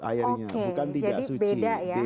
airnya bukan tidak suci oke jadi beda ya